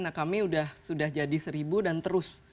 nah kami sudah jadi seribu dan terus